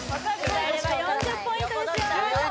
歌えれば４０ポイントですよ